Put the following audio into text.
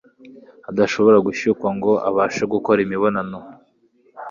adashobora gushyukwa ngo abashe gukora imibonano